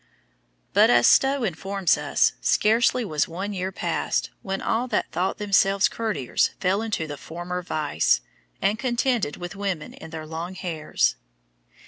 But, as Stowe informs us, "scarcely was one year past, when all that thought themselves courtiers fell into the former vice, and contended with women in their long haires."